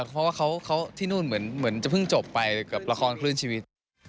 เพราะว่าเขาที่นู่นเหมือนจะเพิ่งจบไปกับละครคลื่นชีวิต